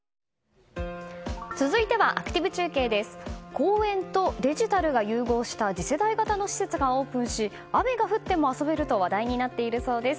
公園とデジタルが融合した次世代型の施設がオープンし雨が降っても遊べると話題になっているそうです。